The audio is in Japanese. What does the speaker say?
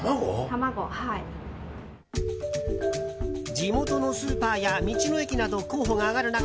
地元のスーパーや道の駅など候補が挙がる中